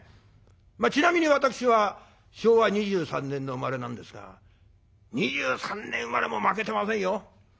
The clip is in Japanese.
ちなみに私は昭和２３年の生まれなんですが２３年生まれも負けてませんよ。